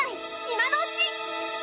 今のうち！